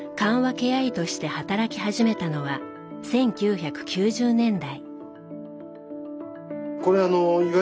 ケア医として働き始めたのは１９９０年代。